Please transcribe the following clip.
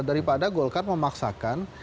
daripada golkar memaksakan